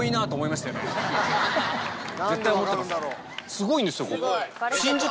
すごいんですよここ。